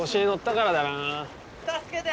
助けて！